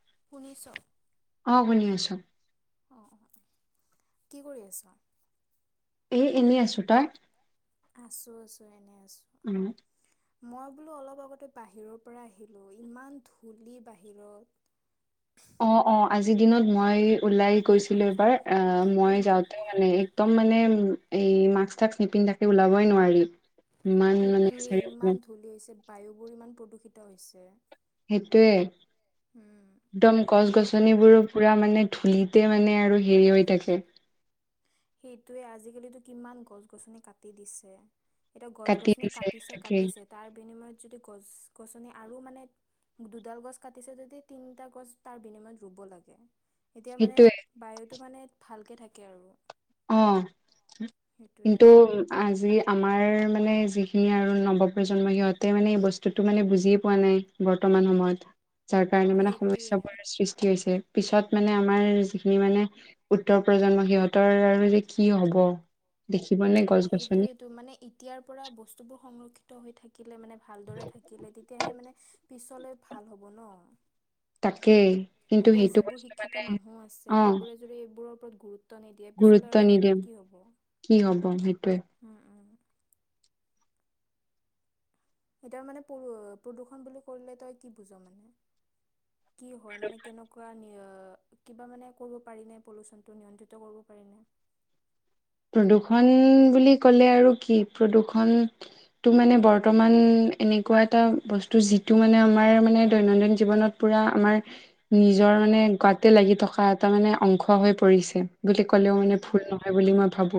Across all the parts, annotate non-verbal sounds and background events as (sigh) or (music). (inaudible) অ, শুনি আছো। অ', অ', কি কৰি আছ? এ, এনেই আছো তাই? আছো, আছো এনে আছো। উম। মই বোলো অলপ আগতে বাহিৰৰ পৰা আহিলো। ইমান ধূলি বাহিৰত। অ', অ', আজিৰ দিনত মই ওলাই গৈছিলো এবাৰ। অ, মই উম। যাওঁতে মানে একদম মানে এই মাক্স, থাক্স নিপিন্ধাকে ওলাবই নোৱাৰি। ইমান মানে সেইটোৱে চাৰিওফালে ইমান ধঢূলি হৈছে, বায়ুবোৰ ইমান প্ৰদূষিত হৈছে। সেইটোয়ে উম। একদম গছ, গছনিবোৰো পুৰা মানে ধূলিতে মানে আৰু হেৰি হৈ থাকে। সেইটয়ে আজিকালিতো কিমান গছ, গছনি কাটি দিছে। এতিয়া গছ, কাটি গছনি দিছে কাটিছে, তাকে কাটিছে তাৰ বিনিময়ত যদি গছ, গছনি আৰু মানে দুডাল গছ কাটিছে যদি তিনিটা গছ তাৰ বিনিময়ত ৰুব লাগে। এতিয়া মানে সেইটোয়ে বায়ুটো মানে ভালকে থাকে আৰু অ, সেইটোৱে কিন্তু আজি আমাৰ মে মানে যিখিনি আৰু নৱপ্ৰজন্ম সিহঁতে মানে এই বস্তুটো মানে বুজিয়ে পোৱা নাই বৰ্তমান সময়ত। যাৰ কাৰণে মানে সেইটোৱে সমস্যাবোৰ সৃষ্টি হৈছে। পিছত মানে আমাৰ যিখিনি মানে উত্তৰ প্ৰজন্ম সিহঁতৰ যে, কি, হ'ব দেখিবনে গছ, গছনি তেতিয়াৰ পৰা বস্তুবোৰ সংৰক্ষিত হৈ থাকিলে মানে ভালদৰে থাকিলে তেতিয়াহে মানে পিছলে ভাল হ'ব, ন। তাকে। এতিয়া যিবোৰ শিক্ষিত মানুহ আছে, অ সেইবোৰে যদি এইবোৰৰ ওপৰত গুৰুত্ব নিদিয়ে পিছলৈ গুৰুত্ব আৰু নিদিয়ে সিহঁতৰ কি হ'ব। কি হব সেইটোৱে উম, উম। সটোাৰ মানে প্ৰদূৰ্ষণ বুলি কৰিলে তই কি বুজ মানে কি হয় মানে কেনেকুৱা নি কিবা মানে কৰিব পাৰি পন নন্ত্ৰিত কৰিব পাৰি। প্ৰদূৰ্ষন বুলি ক'লে আৰু কি প্ৰদূৰ্ষন তটো মানে বৰ্তমান বি মান জ ৰ মানে গাতে লাগি থকা এটা মানে অংশ হৈ পৰিছে। বুলি ক'লেও মানে উম ভুল উম নহয় বুলি মই ভাবো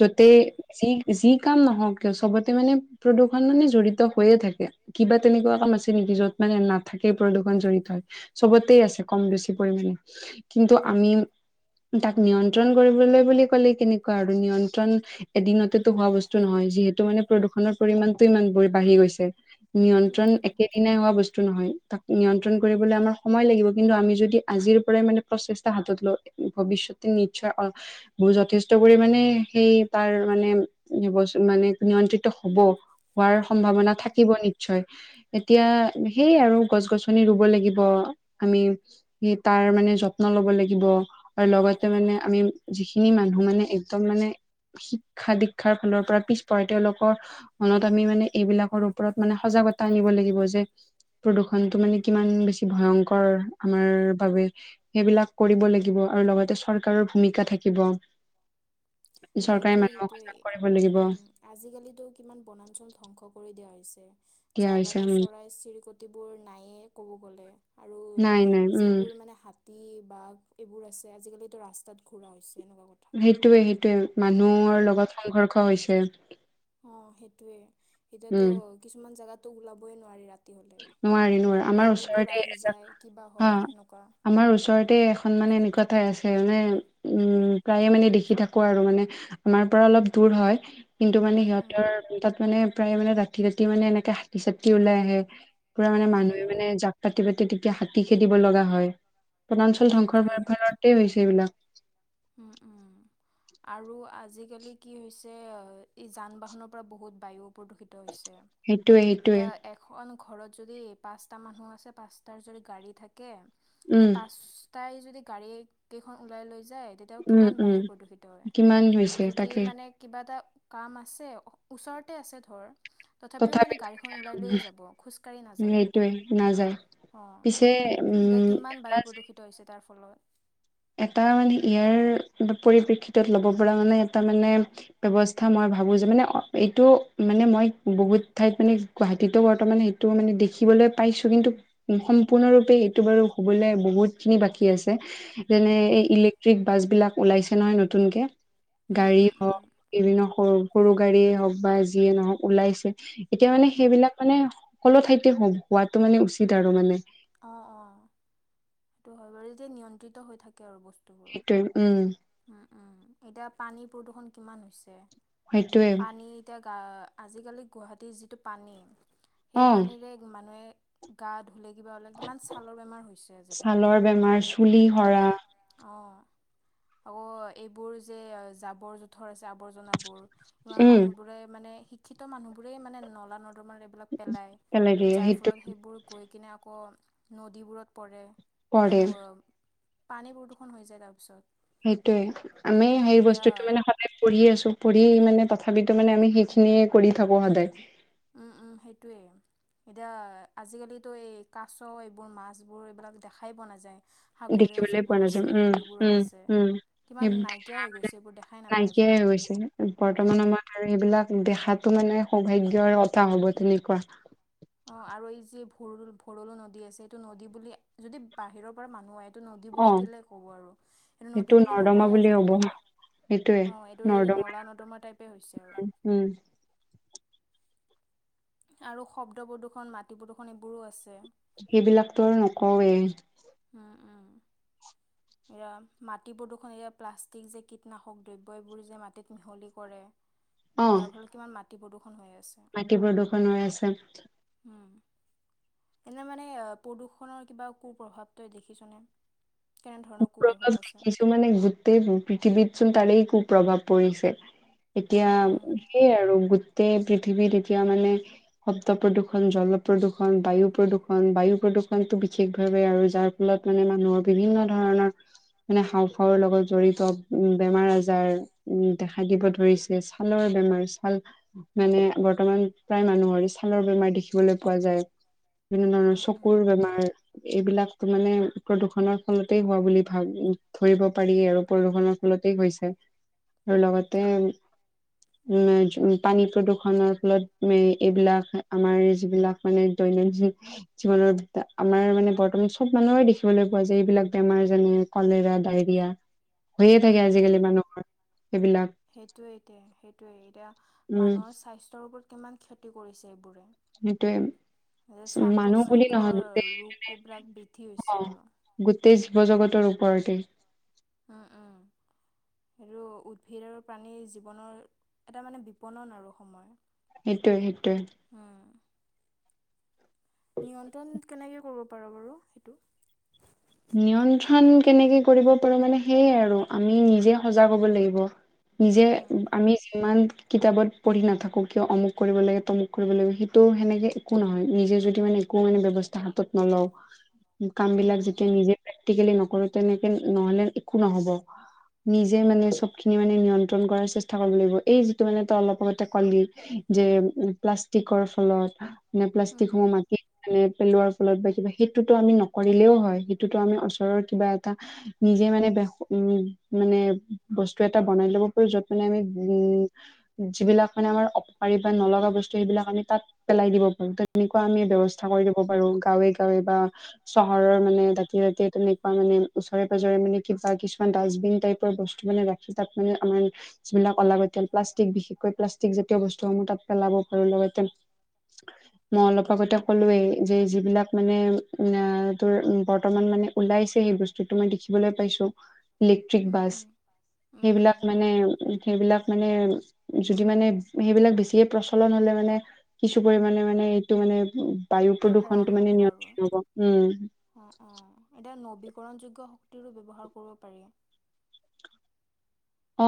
যতে উম যি যি কাম নহক ক চবতে মানে প্ৰদূৰণ মানে জডৰিত হৈয়ে থাকে কিবা তেনেকুৱা কাম আছে নেকি য'ত মানে নাথ থাকেই প্ৰদূৰষণ জড়িত হয় চবতে আছে কম বেছি পৰিমাণে কিন্তু আমি তাক নিয়ন্ত্ৰণ কৰিবলৈ বুলি ক'লে কেনেক আৰু নিয়ন্ত্ৰণ এদিনতেতো হোৱা বস্তু নহয় যিহেতু মানে প্ৰদূষণৰ পৰিমমানণতটো ইমান বাঢ়ি গৈ উম নিয়ন্ত্ৰণ উম একেদিনাই হোৱা বস্তু নহয় তাক নিয়ন্ত্ৰণ কৰিবলৈ আমাৰ সময় লাগিব কিন্তু আমি যদি আজিৰ পৰাই মানে প্ৰচেষ্টা হাতত লওঁ। ভৱিষ্যতেৰ নিশ্চয় যথেষ্ট পৰিানে সেই তাৰ মানে মানে নিয়ন্ত্ৰিত হব। হোৱাৰ উম সম্ভাৱনা উম থাকিব নিশ্চয়। এতিয়া সেই আৰু গছ গছনি ৰুব লাগিব আমি তাৰ মানে যত্ন ব লাগ আৰু লগতে মানে আমি যিখিনি মানুহ মানে একদম মানে শিক্ষা দীক্ষাৰ ফালৰ পৰা পিছপ তেওঁলোকৰ মনত আমি মানে এইবিলাকৰ ওপৰত মানে সজাগ কত আনিব লাগিব যে প্ৰদূৰণতটো মানে কিমান বেছি ভয়ংকৰ আমাৰ বাবে সেইবিলাক কৰিব লাগিব। আৰু লগতে চৰকাৰৰ ভূমিকা থাকিব। চৰকাৰে সেইটোৱে মানুহক সেইটোৱে সজাগ কৰিব লাগিব উম আজিকালিতো কিমান বনাঞ্চল ধ্বংস কৰি দিয়া হৈ চে দিয়া যাৰ হৈছে কাৰণে উম চৰাইৰ চিৰিকটিবোৰ নায়য়ে ক'ব গ'লে। আৰু নাই নাই উম যিবোৰ মানে হাতী, বাঘ এইবোৰ আছে। আজিকালিতো ৰাস্তাত ঘূৰা হৈছে। এনেকুৱা কথা সেইটোৱে সেইটোৱে মানুহৰ উম লগত সংঘৰ্ষ হৈছে। অ', সেইটোৱে এতিয়াতো উম কিছুমান জোগাতো ওলাবই নোৱাৰি ৰাত নোৱাৰি নোৱাৰি আমাৰ ওচৰতে যায় কিবা এজাক অ, হয় সেনেকুৱা আমাৰ ওচৰতে এখন মানে এনেকুৱা হয় আছে, মানে উম প্ৰায়ে মানে দেখি থাকো আৰু মানে আমাৰ পৰা অলপ দূৰ হয়। কিন্তু মানে উম উম সিহঁতৰ তাত মানে প্ৰায় মানে ৰাতি - ৰাতি মানে এনেকে হাতী চাতি ওলাই আহে। পুৰা মানে উম মানুহে উম মানে জাক পাতি পাতি তেতিয়া হাতী খেদিব লগা হয়। বনাঞ্চল ধ্বংসৰ সেইটোৱে হোৱাৰ ফলতে হৈছে এইবিলাক। (unintelligible) (unintelligible) আৰু আজিকালি কি হৈছে ই যান বাহনৰ পৰা বহুত বায়ু প্ৰদূষিত হৈছে, সেইটোয়ে সেইটোয়ে এতিয়া এখন ঘৰত যদি পাঁচটা মানুহ আছে। পাঁচটাৰ যদি গাড়ী থাকে। উম তেতিয়া পাঁচটাই যদি যদি গাড়ী কেইখন ওলাই লৈ যায় তেতিয়াও উম কিমান উম বায়ু প্ৰদূষিত কিমান হৈছে হয়। যদি তাকে মানে কিবা এটা কাম আছে ওচৰতে আছে ধৰ তথাপিও মানে তথাপিতো গাড়ীখন ওলাই লৈয়ে যাব খোজকাাঢ়ি নাযায়। সিহঁতে সেইটোৱে নাযায় অ পিছে উম এতিয়া কিমান বায়ু এনাজি প্ৰদূষিত হৈছে তাৰ ফলত। এটা মানে ইয়াৰ পৰিপ্ৰেক্ষিত ল'ব পৰা মানে এটা মানে ব্যৱস্থা মই ভাবো যে মানে এইটো মানে মই বহুত ঠাইত মানে গুৱাহাটীতো বৰ্তমানে সেইটো মানে দেখি (unintelligible) পাইছো কিন্তু সম্পূৰ্ণৰূপে এইটো বাৰু হবলৈ বহুত খিনি বাকী আছে। যেনে এই উম ইলেক্ট্ৰিক বাছ বিলাক ওলাইছে নহয় নতুনকে। গাড়ী উম হওক উম বিভিন্ন সৰু সৰু গাড়ীয়ে হওক বা যিয়ে নহওক ওলাইছে এতিয়া মানে উম সেইবিলাক মানে সকলো ঠাইতে হো হোৱাটো মানে উচিত আৰু মানে। অ', অ' সেইটো নিয়ন্ত্ৰিত হৈ থাকে আৰু বস্তু সেইটোৱে, উম। উ, উ, এতিয়া পানী প্ৰদূষণ কিমান হৈছে। সেইটোৱে পানী এতিয়া আ, আজিকালি গুৱাহাটীৰ যিটো পানী সেই অ পানীৰে মানুহে গা (unintelligible) কিমান ছালৰ বেমাৰ হৈছে আজি, ছালৰ বেমাৰ চুলি কালি সৰা অ'। অ, এইবোৰ যে, জাবৰ, জোঁথৰ আছে আৱৰ্জনাবোৰ। ইমান উম, মানুহ বোৰে মানে শিক্ষিত মানুহ বোৰে মানে নলা, নদ (unintelligible) এইবিলাক পেলায় গেলেৰিয়া যাৰ সেইটো ফলত সেইবোৰ গৈ কিনে আকৌ নদীবোৰত পৰে। তেতিয়া পৰে ন, পানী প্ৰদূষণ হৈ যায় তাৰপিছত। সেইটোয়ে আমি অঁ সেই এতিয়া বস্তুতটো মানে সদায় পঢ়ি আছো। পঢ়ি মানে, তথাপিতো মানে আমি সেইখিনিয়ে কৰি থাকো সদায়। উ, উ, সেইটোৱে। এতিয়া আজি, কালিতো এই কাছ এইবোৰ মাছবোৰ এইবিলাক দেখাই পোৱা নাযায়। সাগৰীয় দেখিবলৈ পোৱা যিবোৰ আছে নাযায়। উম, নদীবোৰৰ আছে উম, উম। কিমান নাইকিয়া হৈ গৈছে এইবোৰ (unintelligible) দেখাই নাপায় নাইকিয়াইৈ আজিকালি হৈছে, বৰ্তমান উম সময়ত আৰু এইবিলাক দেখাতো মানে সৌভাগ্যয়ৰ কথা হ'ব তেনেকুৱা। অ, আৰু এই যি ভৰু, ভলৰোঁ নদী আছে। এইটো নদী বুলি যদি বাহিৰৰ পৰা মানুহ আহে নদী অ বুলি কেলে ক'ব আৰু সেইটো নদী বুলি নৰ্দমা নকয়ে বুলি হ'ব আজিকালি। সেইটোয়ে অ, এইটো এই নৰ্দমা নলা, নৰ্দমা টাইপে হৈছে আৰু। উম আৰু শব্দ প্ৰদূৰ্ষন, মাটি প্ৰদূৰ্ষন এইবোৰো আছে। সেইবিলাকতো আৰু নকওঁৱেই। উম উম। এতিয়া মাটি প্ৰদূষণে, এতিয়া প্লাষ্টিক যে কীটনাশক দ্ৰব্য এইবোৰ যে মাটিত মিহলি কৰে। অ যাৰ ফলত কিমান মাটি প্ৰদূষণ হৈ আছে মাটি প্ৰদূৰষণ হৈ আছে। উম এনে মানে প্ৰদূষণৰ কিবা কুপ্ৰভাৱ তই দেখিছনে? কেনেধৰণৰ কুপ্ৰভাৱ আছে দেখিছো মানে গোটেইবোৰ পৃথিৱীতচোন তাৰে কুপ্ৰভাৱ পৰিছে। উম উম। এতিয়া সেইয়া আৰু গো পৃথিৱীত এতিয়া মানে শব্দ প্ৰদূৰ্ষণ, জল প্ৰদূষণ, বায়ু প্ৰদূষণ, বায়ু প্ৰদূ টো, বিশেষ ভাৱে আৰু যাৰ ফলত মানে মানুহৰ বিভিন্ন ধৰণৰ মানে হাওঁফাওৰ লগত জড়িত বেমাৰ, আজাৰ উ, দেখা দিব ধৰে। ছালৰ বেমাৰ, ছাল মানে বৰ্তমান প্ৰায় মানুহৰে ছালৰ বেমাৰ দেখিবলৈ পাই। পোৱা যায়। বিভিন্ন ধৰণৰ উম উম। চকুৰ বেমাৰ এইবিলাক মানে প্ৰদূৰণৰ ফলতেই হোৱা বুলি ভাব ধৰিব পাৰি আৰু প্ৰদূষনৰৰ ফলতেই হৈছে। লগতে উ, উ, পানী প্ৰদূৰষনৰৰ ফলত এইবিলাক, আমাৰ যিবিলাক মানে দৈনন্দিন জীৱনৰ আমাৰ মানে বৰ্তমান চব মানুহে দেখিবলৈ পোৱা যায়। এইবিলাক বেমাৰ যেনে কলেৰা, ডায়ৰিয়া হৈয়ে থাকে, আজিকালি মানুহৰ। সেইবিলাক সেইটোয়ে এতিয়া, সেইটোৱে এতিয়া উম মানুহৰ স্বাস্থ্যৰ ওপৰত কিমান ক্ষতি কৰিছে, এইবোৰে। যে সেইটোৱেই। শ্বাস মানুহ বুলি নহয়, প্ৰশ্বাসৰ গোটেই ৰোগ এইবিলাক বৃদ্ধি হৈছে অ, আৰু গোটেই জীৱ জগত ৰ, ওপৰতে। আৰু উদ্ভিদ আৰু প্ৰাণীৰ জীৱনৰ এটা মানে বিপণন আৰু সময়। সেইটোৱ, সেইটোৱে। উম। নিয়ন্ত্ৰণ কেনেকে কৰিব পাৰো বাৰু সেইটো। নিয়ন্ত্ৰণ কেনেকে কৰিব পাৰো মানে সেয়াই আৰু আমি নিজে সজাগ হ'ব লাগিব। নিজে আমি যিমান কিতাপত পঢ়ি নাথাকো কিয় অমুক কৰিব লাগে তমুক কৰিব লাগে সেইটো সেনেকে একো নহয় নিজে যদি মানে ব্যৱস্থা হাতত নলও কাম বিলাক প্ৰে্টিকেলি নকৰো তেনেকে নহলে একো নহব নিজে মানে চব খিনি মানে নিয়ন্ত্ৰণ কৰাৰ চেষ্টা কৰিব লাগিব এই যিটো মানে তই অলপ আগতে কলি যে প্লাষ্টিকৰ ফলত মানে প্লাষ্টিকসমূহ মাতি মানে পেলোৱাৰ ত বা কিবা সেইটোতো আমি নকৰিলেও হয় সেইটোতো আমি ওচৰৰ কিবা এটা নিজে মানে উ মানে বস্তু এটা বনাই যত মানে আমি উম যিবিলাক মানে আমাৰ অপকাৰী বা নলগা বস্তু সেইবিলাক আমি তাত পেলাই দিব পাৰো ত তেনেকুৱা আমি ব্যৱস্থা কৰি দিব পাৰো গাঁৱে গাঁৱে বা চহৰৰ মানে ত তেনেকুৱা মানে ওচৰে পাজৰে মানে কিবা কিছুমান ডাষ্টবিন টাইপৰ বস্তু মানে ৰাখি তাত মানে আমাৰ যিবিলাক অলাগতি প্লাষ্টিক বিশেষকৈ প্লাষ্টিক জাতীয় বস্তুসমূহ তাত পেলাব পাৰো লগতে মই অলপ আগতে ক'লোয়েই যে যিবিলাক মানে উ তোৰ বৰ্তমান মানে ওলাইছে সেই বস্তুটো মই দেখিবলৈ পাইছো ইলেক্ট্ৰিক বাছ সেইবিলাক মানে সেইবিলাক মানে যদি মানে সেইবিলাক বেছিকে প্ৰচলন হলে মানে কিছু পৰিমণে মানে এইটো মানে বায়ু হ্ৰাস প্ৰদূষণটো মানে হ'ব আৰু নিয়ন্ত্ৰণ হ'ব উম তেওঁ নবীকৰণযোগ্য শক্তিৰো ব্যৱহাৰ কৰিব পাৰি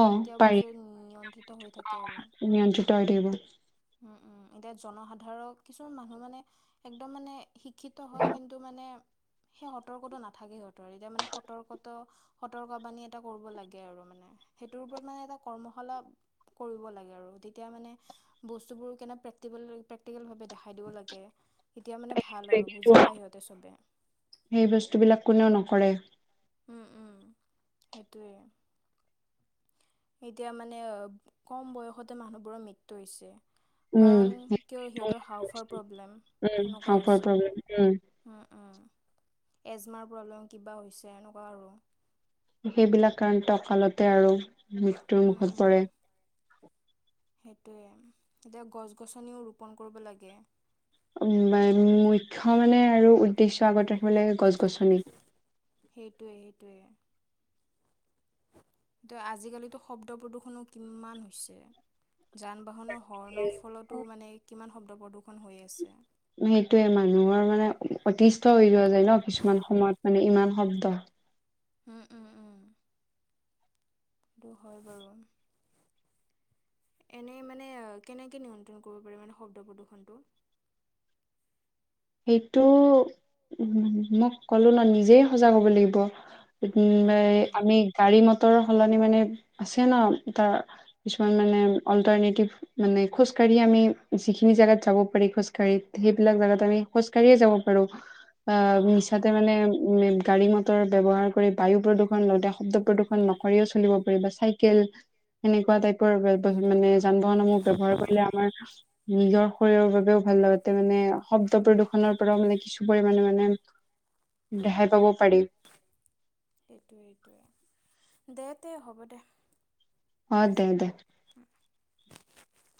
অ তেতিয়া পাৰি বস্তু নিয়ন্ত্ৰিত হৈ থাকে আৰু নিয়ন্ত্ৰিত হৈ থাকিব উ উম এতিয়া জনসাধাৰক কিছুমান মানুহ মানে একদম মানে শিক্ষিত হয় কিন্তু মানে সেই সতৰ্কতটো নাথাকে সিহঁতৰ এতিয়া মানে সতৰ্কত সতৰ্ক বাণী এটা কৰিব লাগে আৰু মানে সেইটোৰ ওপৰত মানে এটা কৰ্মশালা কৰিব লাগে আৰু তেতিয়া মানে বস্তুবোৰ কেনে প্ৰেক্টিকেল প্ৰেক্টিকেল ভাৱে দেখাই দিব লাগে এতিয়া মানে ভাল আৰু কিন্তু বুজি পায় সিহঁতে চবেই কৰে উম উম সেইটোৱেই এতিয়া মানে কম বয়সতে মানুহবোৰৰ মৃত্যু হৈছে। উম কাৰণ কিয় সিহঁতৰ হাওফাওৰ প্ৰব্লেম উম সেনেকুৱা হাওফাওৰ হৈছে প্ৰব্লেম উম উম এজমাৰ প্ৰব্লেম কিবা হৈছে, এনেকুৱা আৰু সেইবিলাক কাৰণতে অকালতে আৰু মৃত্যুৰ উম, মুখত উম। পৰে সেইটোৱে এতিয়া গছ গছনিও ৰোপন কৰিব লাগে উম মুখ্য মানে আৰু উদ্দেশ্য আগত ৰাখি গছ গছনি (unintelligible) আজি কালিতো শব্দ প্ৰদূষণো কিমান হৈছে যান বাহনৰ হৰ্ণৰ ফলতো মানে কিমান শব্দ প্ৰদূষণ হৈ আছে সেইটোয়ে মানুহৰ মানে অতিষ্ঠ হৈ যোৱা যায় ন, কিছুমান সময়ত মানে ইমান একদম উম উম উ সেইটো হয় বাৰু এনেই মানে কেনেকে নিয়ন্ত্ৰণ কৰিব পাৰি মানে শব্দ প্ৰদূষণ টো (inaudible) সেইটো মই ক'লো ন নিজেই সজাগ হ'ব লাগিব। উম, উম, আমি উম। গাড়ী মটৰ সলনি মানে আছে ন তাৰ কিছুমান মানে অল্টাৰনেটিভ মানে খোজ আমি যি খিনি জেগাত যাব পাৰি খোজকাঢ়ি, সেইবিলাক জেগাত আমি খোকাঢ়িয়েই যাব পাৰো, অ', অ', মিছাতে অ'। মানে গাড়ী মটৰ ব্যৱহাৰ কৰি বায়ু প্ৰদূৰ্ষণ লগতে শব্দ প্ৰদূষণ নকৰিও চলিব পাৰি বা চাইকেল এনেকুৱা টাইপৰ মানে যান বাহনসমূহ ব্যৱহাৰ কৰিলে আমাৰ নিজৰ শৰীৰৰ বাবেও ভাল নহয় মানে শব্দ প্ৰদূষণ প্ৰদূষণৰ পৰা মানে কিছু পৰিমানে মানে ৰেহাই পাব পাৰি এইটোৱেই এইটোৱেই দে দে হ'ব দে অ', দে দে। উম (unintelligible)